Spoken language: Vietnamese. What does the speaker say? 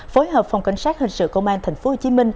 phối hợp phòng cảnh sát hình sự công an tp hcm